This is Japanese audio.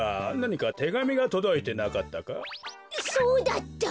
そうだった！